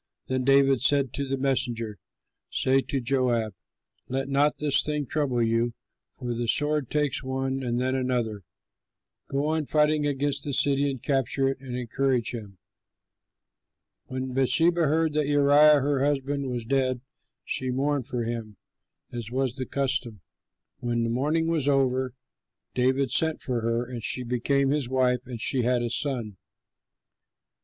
Then David said to the messenger, "Say to Joab, 'Let not this thing trouble you, for the sword takes one and then another. Go on fighting against the city and capture it,' and encourage him." When Bathsheba heard that Uriah her husband was dead, she mourned for him as was the custom. When the mourning was over, David sent for her, and she became his wife and she had a son.